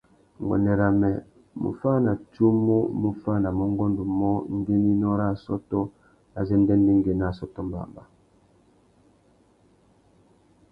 Nguêndê râ mê, muffānatsumu mù fānamú ungôndô umô ngüeninô râ assôtô azê ndêndêngüê nà assôtô mbămbá.